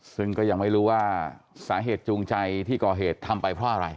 ซึ่งก็ยังไม่รู้ว่าสาเหตุจูงใจที่ก่อเหตุทำไปเพราะอะไร